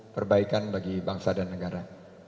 perbaikan bagi bangsa dan negara